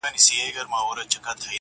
حجره د پښتنو ده څوک به ځي څوک به راځي-